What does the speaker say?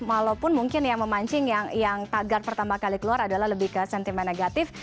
walaupun mungkin yang memancing yang tagar pertama kali keluar adalah lebih ke sentimen negatif